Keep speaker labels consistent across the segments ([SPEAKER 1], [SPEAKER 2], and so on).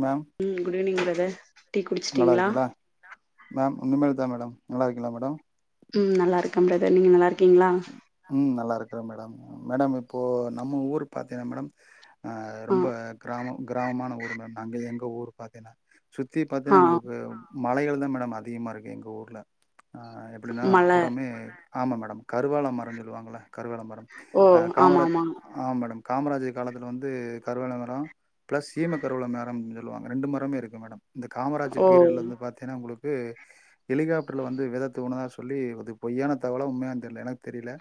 [SPEAKER 1] Ma'am
[SPEAKER 2] ம் good evening brother tea குடிச்சிட்டீங்களா
[SPEAKER 1] இன்னமேல்தா மேடம் நல்லா இருக்கீங்களா மேடம்
[SPEAKER 2] ம் நல்லாருக்கே பிரதர் நீங்க நல்லா இருக்கீங்களா
[SPEAKER 1] ம் நல்லா இருக்கறே மேடம் மேடம் இப்போ நம்ம ஊரு பாத்தீங்கன்னா மேடம் ஆ ரொம்ப கிராம கிராமமான ஊர் நாங்க எங் ஊர் பாத்தியனா சுத்தி
[SPEAKER 2] ஆ
[SPEAKER 1] பாத்தீன்னா உங்களுக்கு மலைகள்தா மேடம் அதிகமாக இருக்குது எங்க ஊருல ஆ எப்பிடின்னா
[SPEAKER 2] மழ
[SPEAKER 1] புராமே ஆமாம் மேடம் கருவாள மரோ க்குன் சொல்லுவாங்கல்ல கருவேல மரம்
[SPEAKER 2] ஓ
[SPEAKER 1] ஆ
[SPEAKER 2] ஆமா
[SPEAKER 1] காமராஜ்
[SPEAKER 2] ஆமா
[SPEAKER 1] ஆ மேடம் காமராஜர் காலத்தில வந்து கருவேல மரோ ப்ளஸ் சீம கருவேல மரோம்னு சொல்லுவாங்க ரெண்டு மரமுமே இருக்கு மேடம் இந்த காமராஜர்
[SPEAKER 2] ஓ
[SPEAKER 1] பீரியட்ல வந்து பாத்தீன்னா உங்களுக் கு எலிகாப்டர்ல வந்து வெத தூவுனதா சொ ல்லி அது பொய்யான தகவலா உண்மையான்னு தெர்ல எனக்கு தெரியல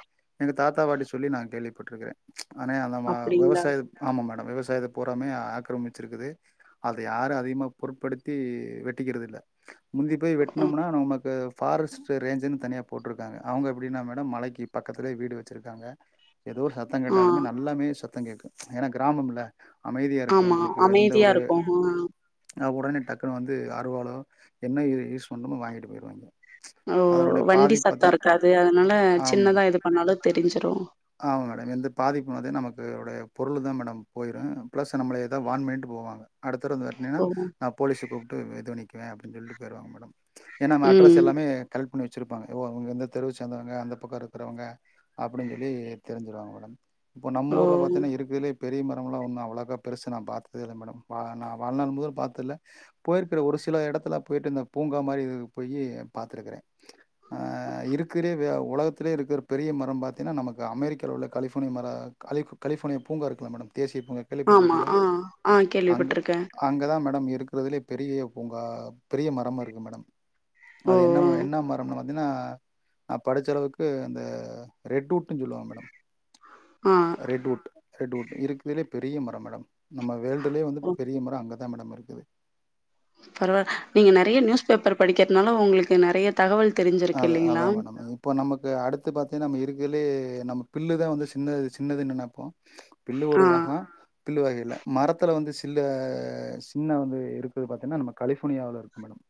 [SPEAKER 1] எங்க தாத்தா பாட்டி சொல்லி நா கேள்விப்பட்டிருக்கிறே நானே அந்த மா
[SPEAKER 2] அப்டிங்களா
[SPEAKER 1] விவசாய ஆமா மேடம் விவசாயத்த பூராமே ஆக்கிரமிச்சிருக்குது அத யாரு அதிகமா பொருட்படுத்தி வெட்டிக்கிறது இல்ல முந்தி போய்
[SPEAKER 2] ஆ
[SPEAKER 1] வெட்னம்னா நமக்கு ஃபாரஸ்ட்டு ரேஞ்சுனு தனியா போட்டுருக்காங்க அவுங்க எப்பிடினா மேடம் மலைக்கி பக்கத்துலயே வீடு வச்சிருக்காங்க எதோ ஒரு சத்தோ
[SPEAKER 2] ஆ
[SPEAKER 1] கேட்டாலுமே நல்லாமே சத் தங் கேக்கு ஏன்னா கிராமம்ல
[SPEAKER 2] ஆமா அமைதியா இருக்கு ஹா
[SPEAKER 1] ஆ உடனே டக்குனு வந்து அருவாளோ என்ன இது யூஸ் பண்ணமோ வாங்கிட்டு போயிருவாய்ங்க
[SPEAKER 2] ஓ வண்டி சத்தோ இருக்காது அதனால
[SPEAKER 1] ஆமா
[SPEAKER 2] சின்னதா
[SPEAKER 1] மேடம்
[SPEAKER 2] இது பண்ணாலு தெரிஞ்சிரு
[SPEAKER 1] ஆமா மேடம் எந்த பாதிப்பு வந்து நமக்கு நம்முடைய பொருளுதா மேடம் போயிரு பிளஸ் நம்மள எதா வார்ன் பண்ணிட்டு போவாங்க அடுத் த தடவ வந்து வெட்னினா
[SPEAKER 2] ஓ
[SPEAKER 1] நா போலீஸ கூப்ட்டு இது பண்ணிக்குவே அப்டின் சொல்ட்டு போய்ருவாங்க மேடம் ஏன்னா நம்ம அட்ரஸ்
[SPEAKER 2] ம்
[SPEAKER 1] எல்லாமே கலெக் ட் பண்ணி வச்சிருப்பாங்க ஓ அவுங்க இந்த தெருவ சேந்தவங்க அந்த பக்கோ இரு க்கறவங்க அப்பிடின்னு சொல்லி தெரிஞ்சிருவாங்க மேடம் இப்போ நம்ம
[SPEAKER 2] ஓ
[SPEAKER 1] ஊருல பாத்தீன்னா இருக்குறதுலயே பெரிய மரமெல்லா ஒண்ணு நா அவ்வளக்கா பெருசு நா பாத்ததே இல்ல மேடம் வா நா வாழ்நாள் முழுவது பாத்ததுல போயிருக்கிற ஒரு சில எடத்துல போயிட்டு இந்த பூங்கா மாரி இதுக்கு போயி பாத்திருக்கிறே ஆ இருக்குறதிலயே வே உலகத் திலேயே இருக்கிற பெரிய மரோம் பாத்தீன்னா நமக்கு அமெரிக்காவுல உள்ள கலிஃபோர்னியா மரோ கலிஃப் கலிஃபோர்னியா பூங்கா இருக்குல்ல மேடம் தேசிய பூங்கா
[SPEAKER 2] ஆமா
[SPEAKER 1] கேள்விப்பட்டிருக்கீகளா
[SPEAKER 2] ஆ ஆ
[SPEAKER 1] அங்
[SPEAKER 2] கேள்விப்பட்டிருக்கே
[SPEAKER 1] அங்கதா மே மேடம் இருக்கறதுலயே பெரிய பூங்கா பெரிய மரம் இருக்கு மேடம்
[SPEAKER 2] ஓ
[SPEAKER 1] அது என்ன
[SPEAKER 2] ஓ
[SPEAKER 1] என்ன மரம்னு பா தின்னா நான் படிச்ச அளவுக் அந்த ரெட்வுட்ன்னு சொல்லுவாங்க மேடம்
[SPEAKER 2] ஆ
[SPEAKER 1] ரெட்வூட் ரெட் வுட் இருக்குறதுலேயே பெரிய மரம் மேடம் நம்ம வேல்டுலே வந்து
[SPEAKER 2] ஓ
[SPEAKER 1] பெரிய மரம் அங்க அங்கதான் மேடம் இருக்குது
[SPEAKER 2] பரவா நீங்க நறைய நியூஸ் பேப்பர் படிக்காட்னாலும் உங்களுக்கு நறைய தகவல் தெரிஞ்சிருக்கு
[SPEAKER 1] அத
[SPEAKER 2] இல்லைங்களா
[SPEAKER 1] அதான் மேடம் இப்ப நமக்கு அடுத்து பாத்தீங்கன்னா நம்ம இருக்கலே நம் பில்லு தான் வந்து சின்னது சின்னதுன்னு நெனைப்போம் பில்லு ஒரு
[SPEAKER 2] ஆ
[SPEAKER 1] ரகம் பில்லு வகையில மரத்துல வந்து சில்லு சின்ன வந்து இருக்குது பார்த்தீங்கன்னா நம்ம கலிபோர்னியாவில இருக்கு மேடம்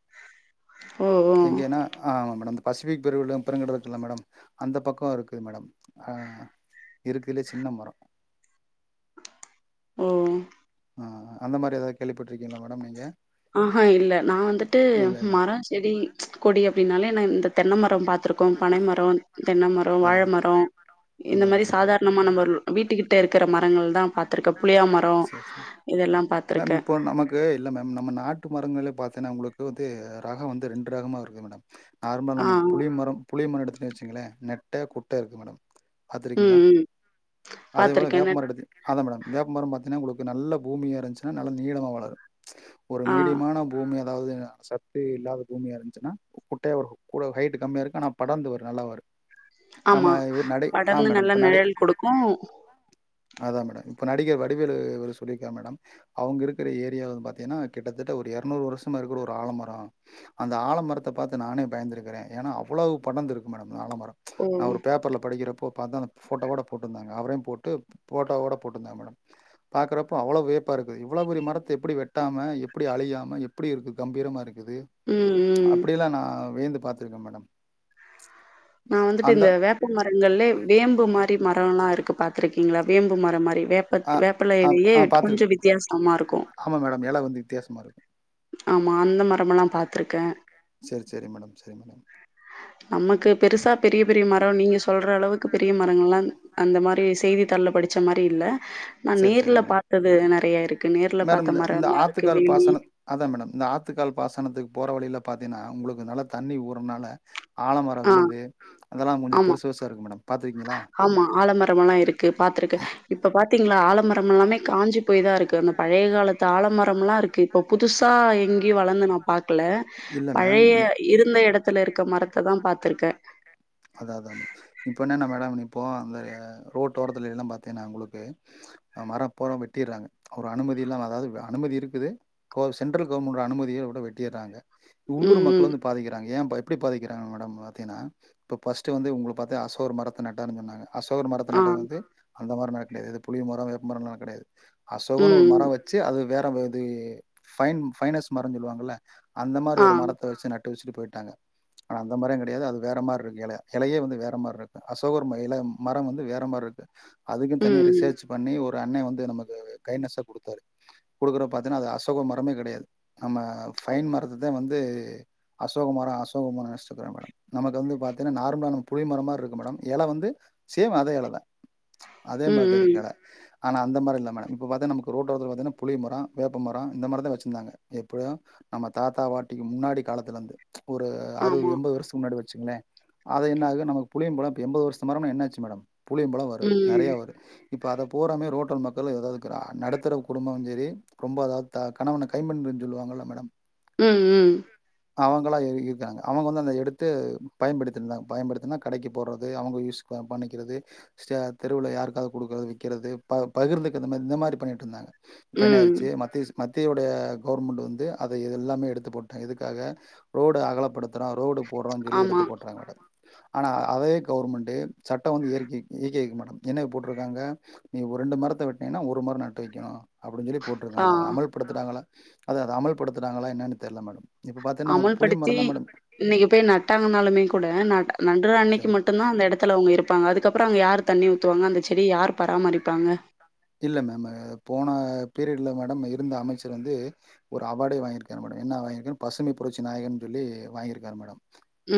[SPEAKER 2] ஓ ஓ
[SPEAKER 1] எங்கேன்னா ஆ ஆமா மேடம் பசிபிக் பெருங்கடல் இருக்குல்ல மேடம் அந்த பக்கம் இருக்குது மேடம் ஆ இருக்குறதுலே சின்ன மரம்
[SPEAKER 2] ம்
[SPEAKER 1] ம் ம்அந்த மாதிரி ஏதாவது கேள்விப்பட்டிருக்கீங்களா மேடம் நீங்க
[SPEAKER 2] ஆ இல்ல நான் வந்துட்டு
[SPEAKER 1] நாங்க
[SPEAKER 2] மரம் செடி கொடி அப்டி அப்டினாலே நான் இந்த தென்னைமரம் பாத்திருக்கோம் பனைமரம் தென்னை மரம் வாழை மரம் இந்த
[SPEAKER 1] அதா அதா
[SPEAKER 2] மாதிரி
[SPEAKER 1] மேடம்
[SPEAKER 2] சாதாரணமா நம்ம வீட்டுக்கிட்ட இருக்கிற மரங்கள் தான் பாத்திருக்கேன் புளியா மரம் இதெல்லாம்
[SPEAKER 1] மேம்
[SPEAKER 2] பாத்திருக்கேன்
[SPEAKER 1] இப்போ நமக்கு இல்ல மேம் நம்ம நாட்டு மரங்களே பார்த்தேனா உங்களுக்கு வந்து ரகம் வந்து ரெண்டு ரகமா இருக்கு மேடம் ஆரம்ப
[SPEAKER 2] ஆ,
[SPEAKER 1] இல்லாம
[SPEAKER 2] ஆ.
[SPEAKER 1] இருக் மரம் புளிய மரம் இருக்குன்னு வச்சுங்களேன் நெட்டை குட்டை இருக்கு மேடம் பாத்துருக்கீங்களா
[SPEAKER 2] ம், ம்.
[SPEAKER 1] அதே போல
[SPEAKER 2] பாத்துருக்கேன். நட்
[SPEAKER 1] வேப்பமரம் எடுத்து அதான் மேடம் வேப்பமரம் பாத்தீங்கன்னா உங்களுக்கு நல்ல பூமியா இருந்துச்சுன்னா நல்ல நீளமா வளரும் ஒரு
[SPEAKER 2] ஆ
[SPEAKER 1] மீடியமான பூமிய அதாவது சத்தே இல்லாத பூமியா இருந்துச்சுன்னா குட்டையா வரும் இவ்ளோ ஹைட்டுக்கு கம்மியா இருக்கும் ஆனா படர்ந்து வரும் நல்லா வரும் நம்ம
[SPEAKER 2] ஆமா
[SPEAKER 1] ஒரு நடை ஆ
[SPEAKER 2] படர்ந்து
[SPEAKER 1] மேடம்
[SPEAKER 2] நல்லா
[SPEAKER 1] இப்ப நடை
[SPEAKER 2] நெழல் குடுக்கும்
[SPEAKER 1] அதான் மேடம் இப்போ நடிகர் வடிவேலு சொல்லியிருக்காரு மேடம் அவுங்க இருக்கிற ஏரியா வந்து பார்த்தீங்கன்னா கிட்டத்தட்ட ஒரு இரநூறு வருஷமா இருக்கிற ஒரு ஆலமரம் அந்த ஆலமரத்தை பார்த்து நானே பயந்திருக்குறேன் ஏன்னா அவ்வளோ படர்ந்து இருக்கு மேடம் ஆலமரம்
[SPEAKER 2] ஓ!
[SPEAKER 1] நான் ஒரு பேப்பர்ல படிக்கிறப் இப்போ பார்த்தா அந்த ஃபோட்டோ ஓட போட்டுருந்தாங்க அவரையும் போட்டு ஃபோட்டோ ஓட போட்டிருந்தாங்க மேடம் பார்க்குறப்போ அவ்ளோ வியப்பா இருக்குது இவ்ளோ பெரிய மரத்தை எப்படி வெட்டாம எப்படி அழியாம எப்படி இருக்கு கம்பீரமா இருக் து
[SPEAKER 2] ம், ம்.
[SPEAKER 1] அப்டியெல்லாம் நா வியந்து திருக்க மேடம்
[SPEAKER 2] நா
[SPEAKER 1] அதாவது
[SPEAKER 2] வந்துட்டு
[SPEAKER 1] அந்த
[SPEAKER 2] இந்த வேப்ப மரங்கள்லே வேம்பு மாரி மரம் எல்லா இருக்கு பாத்திருக்கீங்களா வேம்பு மரம் மாரி வேப்ப
[SPEAKER 1] ஆ ஆ
[SPEAKER 2] வேப்பலையிலேயே
[SPEAKER 1] ஆ பாத்துருக்கே
[SPEAKER 2] கொஞ்சம் வித்தியாசமா இருக்கும்
[SPEAKER 1] ஆமா மேடம் எல வந்து வித்தியாசமா இருக்கு
[SPEAKER 2] ஆமா அந்த மரம் எல்லா பாத்துருக்கேன்
[SPEAKER 1] சேரி சேரி மேடம் சேரி மேடம்
[SPEAKER 2] நமக்கு பெருசா பெரிய பெரிய மரம் நீங்க சொல்ற அளவுக்கு பெரிய மரங்கள்ல்லாம் அந்த மாரி செய்தித்தாள்ல படிச்ச மாரி இல்ல நா
[SPEAKER 1] செரி செரி
[SPEAKER 2] நேர்ல
[SPEAKER 1] மேடம்
[SPEAKER 2] பாத்தது நெறைய இருக்கு நேர்ல
[SPEAKER 1] மேடம்
[SPEAKER 2] பாத்த
[SPEAKER 1] இந்த
[SPEAKER 2] மர
[SPEAKER 1] இந்த
[SPEAKER 2] எல்லா இருக்கு
[SPEAKER 1] ஆத்துக்கால்
[SPEAKER 2] வேல்லி
[SPEAKER 1] பாசன அதா மேடம் இந்த ஆத்துக்கால் பாசனத்துக்கு போற வழியில பாத்தீங்கன்னா உங்களுக்கு நல்லா தண்ணி ஊறதுனால ஆலமரம்
[SPEAKER 2] ஆ
[SPEAKER 1] விழுது அதெல்லா கொஞ்சம்
[SPEAKER 2] ஆமா,
[SPEAKER 1] பெருசு பெருசா இருக்கு மேடம் பாத்
[SPEAKER 2] ஆமா ஆலம ரம்லா இருக் கு பாத்துருக்கேன் இப்ப பாத்தீங்களா ஆலமரம் எல்லாமே காஞ்சி போய் தா இருக் க்கு பழைய காலத்து ஆல மரம்லாம் இருக்கு இப்ப புதுசா எங்கயும் வளர்ந்து நா பாக்கல
[SPEAKER 1] இல்ல மேம்
[SPEAKER 2] பழைய
[SPEAKER 1] இப்
[SPEAKER 2] இருந்த இடத்துல இருக்க மரத்தை தா பாத்திருக்கேன்
[SPEAKER 1] அதான் அதான் மேடம் இப்போ என்னன்னா மேடம் இப்போ அந்த ரோட்டோரத்துலல்லா பாத்தீங்கன்னா உங்களுக்கு மரம் போக வெட்டிடுறாங்க ஒரு அனுமதியெல்லாம் அதாது அனுமதி இருக்குது கோ சென்ட்ரல் கவர்மெண்டோட அனுமதி ஓட வெட்டிடுறாங்க உள்ளூர்
[SPEAKER 2] ம்,
[SPEAKER 1] மக்கள்
[SPEAKER 2] ம்.
[SPEAKER 1] வந்து பாதிக்கிறாங்க ஏன் பயப் எப்டி பாதிக்கிறாங்க மேடம் பாத்தீங்கன்னா இப்போ ஃர்ஸ்டு வந்து உங்க பாத்தேன் அசோகர் மரத்தை நட்டாருன்னு சொன்னாங்க அசோகர் மரத்த
[SPEAKER 2] ஆ,
[SPEAKER 1] நட்டது வந்து அந்த மாரி நட கிடையாது புளிய மரம் வேப்ப மரம்ல கிடையாது அசோகன்னு ஒரு
[SPEAKER 2] ம்.
[SPEAKER 1] மரம் வச்சு அது வேற இது பைன் பைனஸ் மரம் சொல்லுவாங்கல அந்த மாரி
[SPEAKER 2] ஆ.
[SPEAKER 1] ஒரு மரத்தை வச்சு நட் வச்சிட்டு போயிட்டாங்க ஆனா அந்த மாரியும் கிடையாது அது வேற மாரி இருக்கு இல இலையே வந்து வேற மாரி இருக்கு அசோகர் இல மரம் வந்து வேற மாரி இருக்கு அதுக்குனு தனியா
[SPEAKER 2] ம், ம்.
[SPEAKER 1] ரிசர்ச் பண்ணி ஒரு அண்ணே வந்து நமக்கு கைனெஸ்சா குடுத்தாரு குடுக்கறப்ப பாதின அது அசோக மரமே கிடையாது நம்ம ஃபைன் மரத்தா வந்து அசோக மரம் அசோக மரம்னு நெனச்சிட்டு இருக்கோம் மேடம் நமக்கு வந்து பாத் ஏன்னா நார்மலா நம்ம புளிய மர மாரி இருக்கு மேடம் எல வந்து சேம் அதே எலதா அதே
[SPEAKER 2] ம்,
[SPEAKER 1] மாரிதா
[SPEAKER 2] ம்.
[SPEAKER 1] இருக்கு எல ஆனா அந்த மாரி இல்ல மேடம் இப்ப பாத்தா நமக்கு ரோட் ஓரத்துல பாத்தன்னா புளிய முரோ வேப்பமரோ இந்த மாரிதா வச்சிருந்தாங்க எப்பிடியு நம்ம தாத்தா பாட்டிக்கு முன்னாடி காலத்துலந்து ஒரு அறு
[SPEAKER 2] ஆமா.
[SPEAKER 1] எண்பது வருஷத்துக்கு முன்னாடி வச் சிங்ளே அது என்னாகு நமக்கு புளியம்பழ இப்ப எண்பெது வருஷ மரம்னா என்ன ஆச்சி மேடம் புளியம்பழம் வரு
[SPEAKER 2] ம்.
[SPEAKER 1] நெறையா வரு இப்ப அத போறோமே ரோட்டோர மக்கள் எதாவது கி நடத்தற குடும்பங்களு சேரி ரொம்ப ஏதாவது த கணவன கை பண்ணனுன் சொல்லுவாங்கள மேடம்
[SPEAKER 2] ம் ம்
[SPEAKER 1] அவங்களா எறிக்கிருக்காங்க அவுங்க வந்து அத எடுத்து பயன்படுத்திருந்தாங்க பயன்படுத்தினா கடைக்கு போறது அவுங்க யூஸ் பண்ணிக்கிறது இஸ்ட தெருவில யாருக்காவது குடுக்குறது விக்கிறது ப பகிர்ந்துக்கிறது இந்த மாரி பண்ணிட்டு இருந்தாங்க இப்ப என்ன
[SPEAKER 2] ம்.
[SPEAKER 1] ஆயிரிச்சி மத்த இசு மத்தியயுடைய கவுர்மெண்ட் வந்து அத எ எல்லாமே எடுத்து போட்டா எதுக்காக ரோடு அகலப்படு த்தரா ரோடு போடுரோ சொல்லி எடுத்
[SPEAKER 2] ஆமா.
[SPEAKER 1] த் போட்டாங்க மேடம் ஆனா அதே கவர்மெண்டு சட்டோ வந்து இயற்கைக்கு இயற்கைக் மேடம் என்ன போட்டுருக்காங்க நீ ஒரு ரெண்டு மரத்த வெட்னீங்கன்னா ஒரு மரோ நட்டு வைக்கணு அப்பிடின்னு சொல்லி போட்டுருக்கா
[SPEAKER 2] ஆ
[SPEAKER 1] அத அமல்படுத்துறாங்களா அதா அத அமல்படுத்துறாங்களா என்னன்னு தெரில மேடம் இப்போ பார்த்தீங்கன்னா நமக்கு புளிய
[SPEAKER 2] அமுல்படுத்தி
[SPEAKER 1] மரம் தான் மேடம்
[SPEAKER 2] இன்னிக்கு போய் நட்டாங்கனாலுமே கூட நட நடற
[SPEAKER 1] சரி
[SPEAKER 2] அன்னிக்கு மட்டுதா அந்த எடத்துல அவுங்க இருப்பாங்க அதுக்கப்புறோ அங்க யா யார் தண்ணி ஊத்துவாங்க அந்த செடிய யார் பராமரிப்பாங்க
[SPEAKER 1] இல்ல மேம் போன பீரியட்ல மேடம் இருந்த அமைச்சர் வந்து ஒரு அவார்டே வாங்கியிருக்கார் மேடம் என்ன வாங்கிருக் பசுமை புரட்சி நாயகன்னு சொல்லி வாங்கியிருக்காரு மேடம்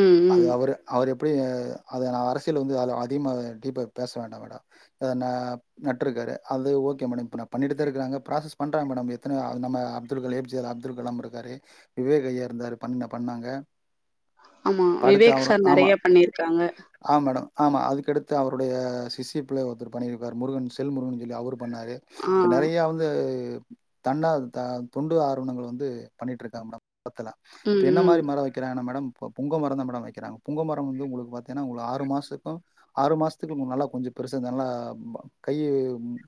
[SPEAKER 2] ம்,
[SPEAKER 1] அது
[SPEAKER 2] ம்.
[SPEAKER 1] அவரு அவரு எப்பிடி அத நான அரசியல் வந்து அதிகமா டீப்பா பேச வேண்டா மேடம் ந நட்டுருக்காரு அது ஓகே மேடம் இப்ப நா பண்ணிட்டுதா இருக்கராங்க ப்ராசஸ் பண்றாங்க மேடம் எத்தன நம்ம அப்துல் ஏ ஜே அப்துல் கலாம் இருக்காரு விவேக் ஐயா இருந்தார் பண்ண பண்ணாங்க
[SPEAKER 2] ஆமா
[SPEAKER 1] இப்ப அடுத்து
[SPEAKER 2] விவேக்
[SPEAKER 1] அவரு
[SPEAKER 2] சார்
[SPEAKER 1] ஆமா
[SPEAKER 2] நெறையா பண்ணிருக்காங்க
[SPEAKER 1] ஆ மேடம். ஆமா அதுக்கடுத்து அவருடைய சிஷ்ய பிள்ளை ஒருத்தர் பண்ணிருக்கார் முருகன் செல்முருகன் ல்லி அவுருப் பண்ணாரு
[SPEAKER 2] ஆ.
[SPEAKER 1] இப்ப நெறையா வந்து தன்னாது தா தொண்டு ஆர்வணங்கள் வந்து பண்ணிட்டு இருக்காங் மேடம் பாக்கலாம் இப்ப
[SPEAKER 2] ம்,
[SPEAKER 1] என்ன மாரி
[SPEAKER 2] ம்.
[SPEAKER 1] மரம் வைக்கிறாங்னா மேடம் இப்போ புங்க மரம் தான் மேடம் வைக்கிறாங்க புங்க மரம் வந்து உங்களுக்கு பாத்தீங்கன்னா உங்களுக்கு ஆறு மாசத்துக்கும் ஆறு மாசத்துக்கு நல்லா கொஞ்ச பெருசா வந்து நல்லா ப கை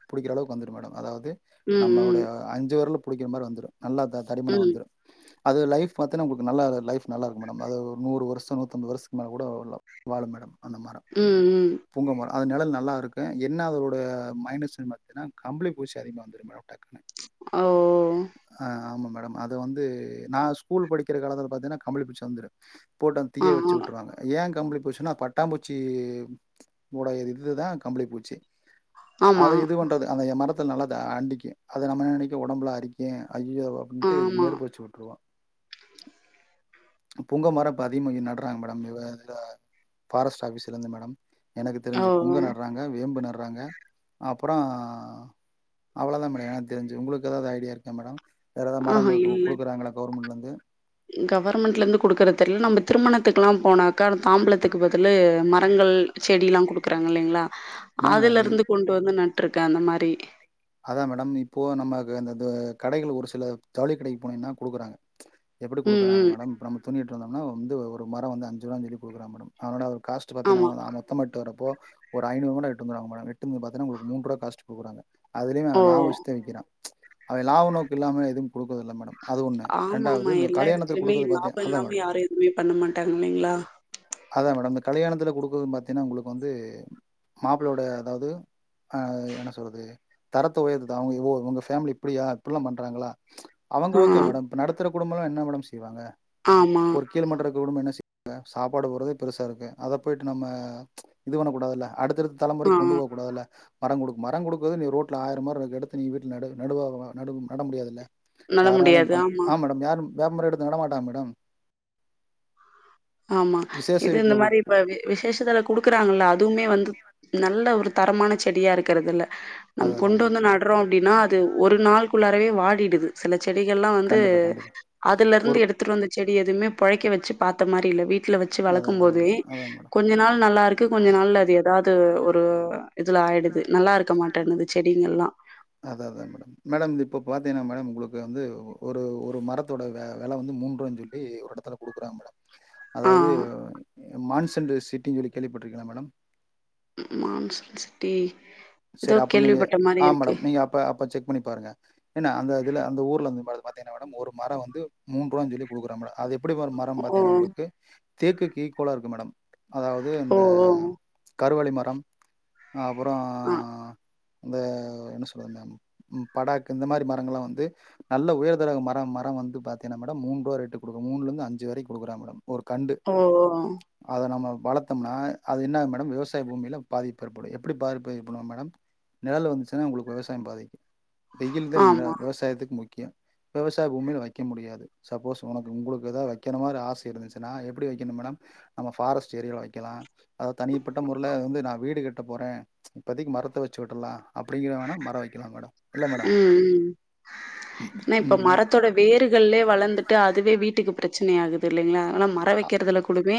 [SPEAKER 1] புடிக்கிற அளவுக்கு வந்துரும் மேடம் அதாவுது
[SPEAKER 2] ம்,
[SPEAKER 1] நம்மளுடைய
[SPEAKER 2] ம்.
[SPEAKER 1] அஞ்சு விரலு புடிக்கிற மாரி வந்துரும் நல்லா தா தடிமனா
[SPEAKER 2] ம்.
[SPEAKER 1] வந்துரு அது லைஃப் பாத்தினா நமளுக்கு நல்லா லைஃப் நல்லாருக்கும் மேடம் அது ஒரு நூறு வருஷம் நூத்தம்பது வருஷத்துக்கு மேல கூட வாழும் மேடம் அந்த மரம்
[SPEAKER 2] ம், ம்.
[SPEAKER 1] பூங்க மரம் அது நெழல் நல்லாருக்கும் என்ன அதோடய மைனஸ் பாத்திங்கனா கம்பளி பூச்சி அதிகமா வந்துரும் மேடம் டக்குனு
[SPEAKER 2] ஓ!
[SPEAKER 1] ஆ ஆமா மேட அது வந்து நா ஸ்கூல் படிக்கிற காலத்துல பாத்தீங்கன்னா கம்பளி பூச்சி வந்துரு போட்டு அந்த
[SPEAKER 2] ஆ,
[SPEAKER 1] தீய
[SPEAKER 2] ஆ.
[SPEAKER 1] வச்சு உட்டுருவாங்க ஏன் கம்பளி பூச்சுன்னா பட்டா பூச்சி உடைய இதுதான் கம்பளி பூச்சி
[SPEAKER 2] ஆமா.
[SPEAKER 1] அது இது பண்றது அந்த மரத் த நல்லா அண்டிக்கும் அத நம்ம ந நெனக்க ஒடம்புல்லா அரிக்கிம் ஐயோ அப்டின்டு
[SPEAKER 2] ஆமா.
[SPEAKER 1] நெருப்பு வச்சு உட்டுருவாங்க பூங்க மரம் இப்ப அதிகமா நடுறாங்க மேடம் இவ ஃபாரஸ்ட் ஆபீஸ்ல இருந்து மேடம் எனக்கு
[SPEAKER 2] ஓ!
[SPEAKER 1] தெரிஞ்சு பூங்க நடுறாங்க வேம்பு நடு றாங்க அப்றோ அவ்ளோ தான் மேடம் எனக்கு தெரிஞ்சு உங்களுக்கு ஏதாவுது ஐடியா இருக்கா மேடம் வேற ஏதாவது மரங்கள் குடுக்குறாங்களா கவுர்மெண்ட்ல இருந்து
[SPEAKER 2] கவர்மெண்ட்ல இருந்து குடுக்கற தெரில நம்ப திருமணத்துக்கு எல்லா போனாக்கா தாம்பழத்துக்கு பதிலு மரங்கள் செடிலாம் குடுக்குறாங்க இல்லங்ளா
[SPEAKER 1] மேம்
[SPEAKER 2] அதுல
[SPEAKER 1] அது
[SPEAKER 2] இருந்து கொண்டு வந்து நட் டுக்கே அந்த மாரி
[SPEAKER 1] அதான் மேடம் இப்போ நமக்கு அந்த இது கடைகள் ஒரு சில ஜவுளி கடைக்களுக்கு போனீங்கனா குடுக்குறாங்க எப்டி
[SPEAKER 2] ம்,
[SPEAKER 1] குடுக்குறாங்க
[SPEAKER 2] ம்.
[SPEAKER 1] மேடம் நம்ம துணி எடுத் வந்தம்னா வந்து ஒரு மரம் வந்து அஞ்சு ரூபான் சொல்லி குடுக்குறாங்க மேடம் அனாட காஸ்ட் பாத்தீங்னா
[SPEAKER 2] ஆமா.
[SPEAKER 1] நா மொத்தமா வரப்போ ஒரு ஐநூறு மரம் வெட்டுவாங்க மேடம் வெட்டும் போது பாத்தீங்கனா உங்களுக்கு ஒரு மூண்று ரூபா காஸ்ட் குடுறாங்க
[SPEAKER 2] ஓ!
[SPEAKER 1] அதுலையும் லாபம் வச்சு தா விக்கிறான் அவன் லாவ நோக்கு இல்லாம எதுவும் குடுக்குறது இல்ல மேடம் அது ஒண்ணு
[SPEAKER 2] ஆமா ஆமா
[SPEAKER 1] ரெண்டாவது இந்த
[SPEAKER 2] எல்லா
[SPEAKER 1] கல்யாணத்துல
[SPEAKER 2] இடத்துலயுமே
[SPEAKER 1] குடுக்குறது பாத்தீங்க
[SPEAKER 2] லாபம்
[SPEAKER 1] அதான்
[SPEAKER 2] இல்லாம
[SPEAKER 1] மேடம்
[SPEAKER 2] யாரும் எதுவுமே பண்ண மாட்டாங்க இல்லங்களா
[SPEAKER 1] கல்யாணத்தில குடுக்குறதுன்னு பாத்தீங்கன்னா உங்களுக்கு வந்து மாப்பிளையோட அதாது ஆ என்ன சொல்றது தரத்த உயர்த்துது அவுங்க உங்க ஃபேமிலி இப்டியா இப்டி எல்லா பண்றாங்களா அவுங்க
[SPEAKER 2] ஆ,
[SPEAKER 1] ஓகே மேடம் இப்ப நடத்துற குடும்ப எல்லா என்ன மேடம் செய்வாங்க
[SPEAKER 2] ஆமா.
[SPEAKER 1] ஒரு கீழ் மட்டம் இருக்கும் குடும்பம் என்ன செய் சாப்பாடு போடுறதே பெருசா இருக்கு அத போயிட்டு நம்ம இது பண்ணக்க கூடாதுல்ல அடுத் து
[SPEAKER 2] ஆ,
[SPEAKER 1] தலைமுறைக்கு கொண்டு போக கூடாதுல்ல மரம் குடு மரம் குடு [unintelligible] ரோட்டில ஆயிரம் மரம் இருக்கு எடுத்து நீ வீட்ல நடு நடுவ நடுவும் நடு முடியாதுல்ல
[SPEAKER 2] நட
[SPEAKER 1] யாராலயும்
[SPEAKER 2] முடியாது.
[SPEAKER 1] பண்ண
[SPEAKER 2] ஆமா,
[SPEAKER 1] ஆ மேடம் யாரும் வேப்பமரம் எடுத்து நட மாட்டாங்க மேடம்
[SPEAKER 2] ஆமா
[SPEAKER 1] விசேஷ
[SPEAKER 2] இது இந்த
[SPEAKER 1] வீட்ல
[SPEAKER 2] மாரி இப்ப
[SPEAKER 1] குடுக்
[SPEAKER 2] விசேஷத்துல குடுக்குறாங்களல்ல அதுவுமே வந் நல்ல ஒரு தரமான செடியா இருக்கிறது இல்ல நம்
[SPEAKER 1] அதான் அதான்
[SPEAKER 2] கொண்டு
[SPEAKER 1] மேடம்.
[SPEAKER 2] வந்து நடுறோம் அப்டின்னா அது ஒரு நாளுக்குள்ளாரவே வாடிடுது சில செடிகள்ல்லா வந்து
[SPEAKER 1] கண்டிப்பா, கண்டிப்பா.
[SPEAKER 2] அதுல இருந்து
[SPEAKER 1] ஒரு
[SPEAKER 2] எடுத்துட்டு வந்த செடி எதுவுமே பொழைக்க வச்சு பாத் மற்ற மாரி இல்ல வீட்ல வச்சு
[SPEAKER 1] அதா
[SPEAKER 2] வளர்க்கும்
[SPEAKER 1] அதா
[SPEAKER 2] போதே
[SPEAKER 1] மேடம் அதா மேடம்
[SPEAKER 2] கொஞ்ச நாள் நல்லா இருக்கு கொஞ்ச நாள் அது ஏதாது ஒரு ஆயிடுது நல்லா இருக்க மாட்டேனது
[SPEAKER 1] அத அதான் மேடம் மேடம் இப்போ பாத் மேடம் உங்களுக்கு வந்து ஒரு ஒரு மரத்தோட விலை வந்து மூன்று ரூபா சொல்லி ஒரு இடத்துல குடுக்குறங்க மேடம்
[SPEAKER 2] ஆ
[SPEAKER 1] அதாது மான்சன் சிட்டின்னு கேள்விப்பட்டிருக்கிள்ளா மேடம்
[SPEAKER 2] மான்சன் சிட்டி ஏதோ
[SPEAKER 1] செரி அப்ப நீங்க
[SPEAKER 2] கேள்விப்பட்ட மாரி
[SPEAKER 1] ஆ
[SPEAKER 2] இருக்கு
[SPEAKER 1] மேடம் நீங்க அப்ப அப்ப செக் பண்ணி பாருங்க ஏன்ன அந்த இதுல அந்த ஊர்ல இருந்து மேடம் [unintelligible] மேடம் ஒரு மரம் வந்து மூனு ரூவா சொல்லி குடுக்குறன் மேடம் அது எப்டி வரும் மரம்
[SPEAKER 2] ஓ
[SPEAKER 1] பாத்தீங்கன்னா உங்களுக்கு தேக்குக்கு ஈக்கோலா இருக்கு மேடம் அதாவது
[SPEAKER 2] ஓ
[SPEAKER 1] இந்த
[SPEAKER 2] ஓ
[SPEAKER 1] கருவழி மரம் அப்புறம்
[SPEAKER 2] ஆ
[SPEAKER 1] இந்த என்ன சொல்ல வந்த ம் படாக் இந்த மாரி மரங்கள்லா வந்து நல்ல உயர்தடக மரம் மரம் வந்து பாத்தீங்கன்னா மேடம் மூன்றுரூபா ரேட்டு குடுக்கற மூணுல இந்து அஞ்சி வரை குடுக்குறாங்க மேடம் ஒரு கண்டு
[SPEAKER 2] ஓ ஓ
[SPEAKER 1] அத நம்ம வளத்தம்னா அது இன்னாகும் மேடம் விவசாய பூமியில பாதிப்பு ஏற்படும் எப்டி பாதிப்பு பண்ணுவ மேடம் நிழல்லு வந்துச்சின்னா உங்களுக்கு விவசாயம் பாதிக்கும் வெயில் தா
[SPEAKER 2] ஆமா
[SPEAKER 1] விவசாயத்துக்கு முக் கியம் விவசாய பூமியில வக்க முடியாது சப்போஸ் ஒனக்கு உங்களுக்கு எதா வைக்கன மாரி ஆச இருந்துச்சின்னா எப்டி வைக்கணும் மேடம் நம்ம ஃபாரஸ்ட்டு ஏரியில வக்கலாம் அது தனிப்பட்ட முறல வந்து நா வீடு கட்ட போறே இப்பதிக்கு மரத்த வச்சி உட்றலாம் அப்டிங்கிற வேணா மர வக்கலா மேடம் இல்ல மேடம்
[SPEAKER 2] ம் ம் ஏனா இப்ப
[SPEAKER 1] ம்
[SPEAKER 2] மரத்தோட வேறுகளே வளந்துட்டு அதுவே வீட்டுக்கு பிரச்சனையா ஆகு தில்லைங்களா ஆனா மரம் வைக்கிறதுல கூடமே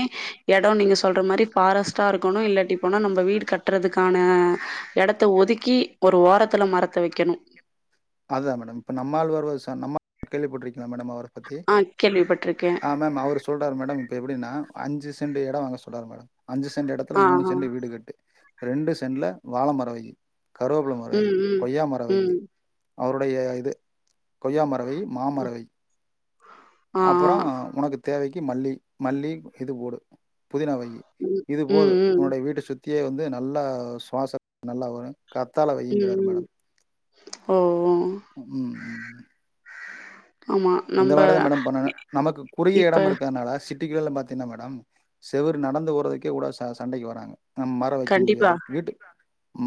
[SPEAKER 2] எடம் நீங்க சொல்ற மாரி ஃபாரஸ்ட்டா இருக்கணும் இல்லாட்டி போனா நம்ம வீடு கட்டறதுக்கான எடத்த ஒதுக்கி ஒரு ஓரத்துல மரத்த வைக்கணும்
[SPEAKER 1] அதா மேடம் இப்ப நம்மாழ்வார் ஒருச நம்மா [inaudible] கேள்வி பட்டுருக்கி ங்களா மேடம் அவர பத்தி
[SPEAKER 2] ஆ கேள்விப்பட்டிருக்கே
[SPEAKER 1] ஆ மேம் அவரு சொல் மேடம் இப்ப எப்டினா அஞ்சி சின்டு எடம் வாங்க சொல்றாரு மேடம் அஞ்சி செண்டு எடத்துல
[SPEAKER 2] ஆ
[SPEAKER 1] மூணு
[SPEAKER 2] ஆ
[SPEAKER 1] செண்டுல வீடு கட்டு ரெண்டு சென்ல வாழ மரம் வையி கருவேப்பில மரம் வையி
[SPEAKER 2] ம் ம்
[SPEAKER 1] கொய்யா மர வையி
[SPEAKER 2] ம்
[SPEAKER 1] அவருடைய இது கொய்யா மரம் வை மாமரம் வை
[SPEAKER 2] ஆ ஆ
[SPEAKER 1] அப்புறம் ஒனக்கு தேவைக் கு மல்லி மல்லி இது போடு புதினா வையி
[SPEAKER 2] ம் ம்
[SPEAKER 1] இதுபோதும்
[SPEAKER 2] ம்
[SPEAKER 1] உன்னுடைய வீட்ட சுத் தியே வந்து நல்லா சுவாசம் நல்லா வரும் கத்தால வையிங்கிறாரு
[SPEAKER 2] ம் ம்
[SPEAKER 1] மேடம்
[SPEAKER 2] ஓ
[SPEAKER 1] ம் ம்
[SPEAKER 2] ஆமா
[SPEAKER 1] இந்த
[SPEAKER 2] நம்ப
[SPEAKER 1] மாரிதா மேடம் பண்ணனு
[SPEAKER 2] இ
[SPEAKER 1] நமக்கு குறுகிய
[SPEAKER 2] இப்ப
[SPEAKER 1] எடம் இருக்கறதுனால சிட் டிக்குல்ல பாத்தினா மேடம் செவுரு நடந்து போறதுக்கே கூட ச சண்டைக்கு வராங்க ம் மர வைக்க முடியாது
[SPEAKER 2] கண்டிப்பா
[SPEAKER 1] வீட்டு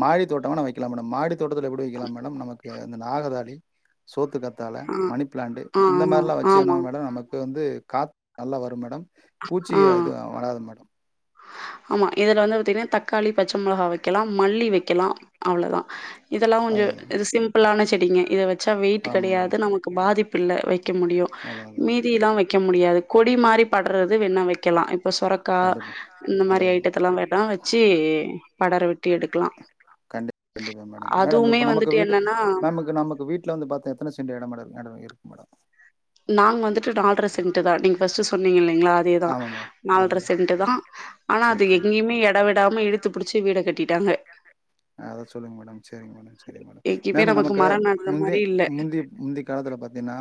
[SPEAKER 1] மாடி தோட்டோ வேனா வக்கலா மாடி தோட்டத்ல எப்டி வக்கலாம் மேடம் நமக்கு அந்த நாகதாலி சோத்துக்கத்த தால
[SPEAKER 2] ஆ
[SPEAKER 1] மணி பிளாண்டு
[SPEAKER 2] ஆ
[SPEAKER 1] இந்த மாதிரிலா
[SPEAKER 2] ஆ
[SPEAKER 1] வச்சேங்கனா
[SPEAKER 2] ஆமா
[SPEAKER 1] மேடம் நமக்கு இப்போ வந்து காத்து நல்லா வரும் மேடம் பூச்சி
[SPEAKER 2] ஆ
[SPEAKER 1] இது வராது மேடம்
[SPEAKER 2] ஆமா இதுல வந்து பாத்தீங்கனா தக்காளி பச்சை மெளகா வெக்கலா மல்லி வெக்கலாம் அவ்ளதா இதெல்லா கொஞ்சோ
[SPEAKER 1] அதுதா
[SPEAKER 2] இது சிம்பிளான செடிங்க இத வச்ச சா வெயிட் கெடயாது நமக்கு பாதிப்பு பிள்ள வை வக்க முடியு
[SPEAKER 1] அதா அதா
[SPEAKER 2] மீதியெல்லா வக்க வக்க முடியாது கொடி மாறி படற்றது வேண்ண வக்கலா இப்ப சொரக்கா இந்த
[SPEAKER 1] ஹலோ
[SPEAKER 2] மாரி ஐட்டத்தலாம் வேணா வச்சு படர விட்டு எடுக்கலாம்.
[SPEAKER 1] கண்டிப்பா கண்டிப்பா மேடம் மேடம்
[SPEAKER 2] அதுவுமே
[SPEAKER 1] இப்ப நமக்கு
[SPEAKER 2] வந்துட்டு
[SPEAKER 1] வீடு
[SPEAKER 2] என்னன்னா,
[SPEAKER 1] நமக்கு வீட்ல வந்த பாத்தா எத்தன சென்ட் எட மேடம் இருக்கு மேடம்
[SPEAKER 2] நாங்க வந்துட்டு நால்ற சென்ட்டு தா நீங்க ஃபஸ்டு சொன்னீங்களே அதேதா
[SPEAKER 1] ஆமா மேடம்
[SPEAKER 2] நால்ற
[SPEAKER 1] அதேதா
[SPEAKER 2] சென்ட்டு தா ஆனா
[SPEAKER 1] செரி
[SPEAKER 2] அது
[SPEAKER 1] செரி
[SPEAKER 2] எங்கேயுமே எட விடாம இழுத்து பிடிச்சு வீட கட்டிட்டு ட்டாங்க
[SPEAKER 1] அத சொல்லுங்க மேடம் சரிங்க மேடம் சரி மேடம்
[SPEAKER 2] எங்கேயுமே
[SPEAKER 1] மேம் நமக்கு
[SPEAKER 2] மரம் நடுற
[SPEAKER 1] முந்தி
[SPEAKER 2] மாரி இல்ல.
[SPEAKER 1] முந்தி முந்தி காலத்ல பாத்தீங்னா